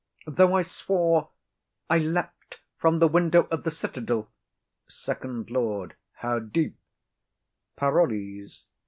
Though I swore I leap'd from the window of the citadel,— FIRST LORD. [Aside.] How deep? PAROLLES.